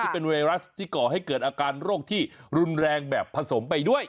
เป็นไวรัสที่ก่อให้เกิดอาการโรคที่รุนแรงแบบผสมไปด้วย